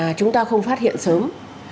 là chúng ta không phát hiện sớm